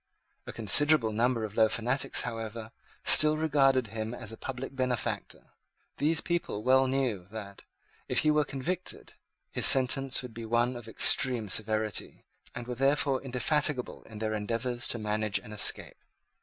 A considerable number of low fanatics, however, still regarded him as a public benefactor. These people well knew that, if he were convicted, his sentence would be one of extreme severity, and were therefore indefatigable in their endeavours to manage an escape.